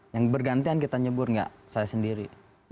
yang bergantian kita nyebur nggak saya sendiri